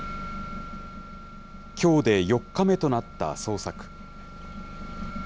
きょうで４日目となった捜索。